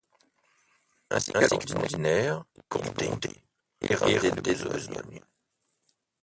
Ainsi qu'à l'ordinaire, il grondait, éreinté de besogne.